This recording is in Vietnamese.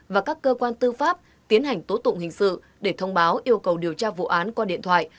và các cơ quan tư pháp tiến hành tố tụng hình sự để thông báo yêu cầu điều tra vụ án qua điện thoại